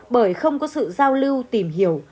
bởi không có sự giao lưu tìm hiểu